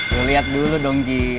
lu liat dulu dong cie